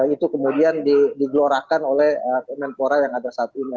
itu kemudian digelorakan oleh kemenpora yang ada saat ini